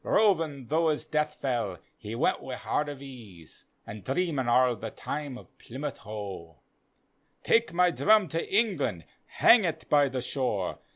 Rovin' tho' his death fell, he went with wi' heart of ease An' dreamin' arl the time o' Plymouth Hoc. " Take my drum to England, hang et by the shore.